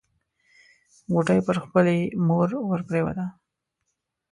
غوټۍ پر خپلې مور ورپريوته.